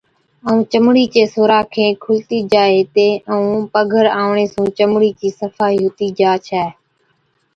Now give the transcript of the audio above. ائُون چمڙِي چين سوراخين کُلتِي جائي هِتين، ائُون پگھر آوَڻي سُون چمڙِي چِي صفائِي هُتِي جا ڇَي۔